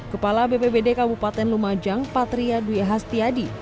kepala bpbd kabupaten lumajang patria dwi hastiadi